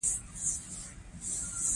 هندوانه په کرونده کې کرل کېږي.